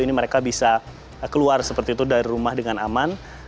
ini mereka bisa keluar seperti itu dari rumah dengan aman